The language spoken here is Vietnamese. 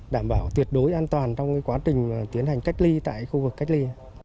đảm bảo tuyệt đối an toàn trong quá trình tiến hành cách ly tại khu vực cách ly